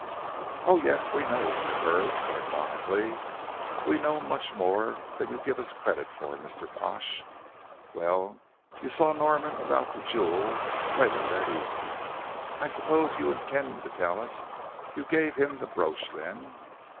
"Oh, yes, we know," said Hurd, sardonically; "we know much more than you give us credit for, Mr. Pash. Well, you saw Norman about the jewel later that evening. I suppose you intend to tell us you gave him the brooch then."